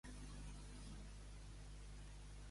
Al senyor i al bacó, tot els està bé.